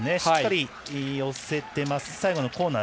しっかり寄せています。